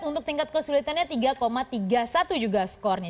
untuk tingkat kesulitannya tiga tiga puluh satu juga skornya